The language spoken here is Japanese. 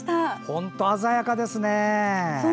本当、鮮やかですね！